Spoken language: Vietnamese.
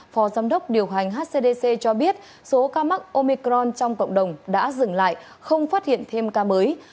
phó giám đốc điều hành hcdc cho biết số ca mắc omicron trong cộng đồng đã dừng lại không phát hiện thêm ca mới